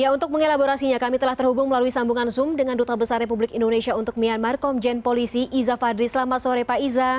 untuk mengelaborasinya kami telah terhubung melalui sambungan zoom dengan duta besar republik indonesia untuk myanmar komjen polisi iza fadli selamat sore pak iza